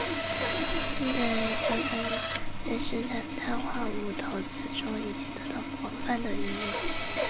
现在焦炭在生产碳化物陶瓷中已经得到了广泛的应用。